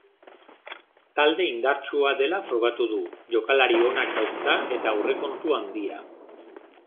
Talde indartsua dela frogatu du, jokalari onak dauzka eta aurrekontu handia.